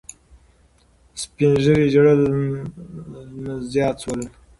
سپین ږیري ژړل زیات شول.